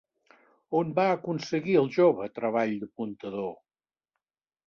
On va aconseguir el jove treball d'apuntador?